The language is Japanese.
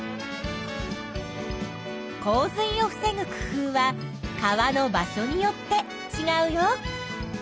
洪水を防ぐ工夫は川の場所によってちがうよ。